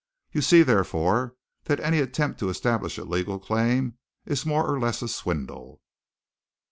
You see, therefore, that any attempt to establish a legal claim is more or less a swindle."